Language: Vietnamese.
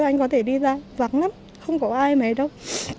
anh có thể đi ra vắng lắm không có ai mấy đâu